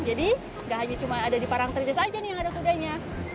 jadi nggak hanya cuma ada di parang trides saja nih yang ada sudanya